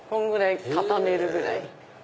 畳めるぐらい。